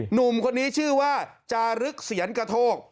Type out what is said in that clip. หนุ่มคนนี้ชื่อว่าจารึกเสียนกระโทก